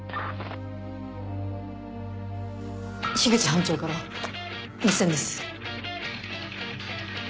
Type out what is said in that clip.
口班長から無線です。